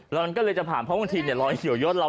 แล้วมันก็เลยจะผ่านเพราะบางทีรอยเขียวยศเรา